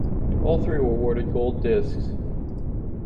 All three were awarded gold discs.